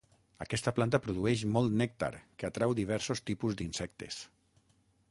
Aquesta planta produeix molt nèctar que atrau diversos tipus d’insectes.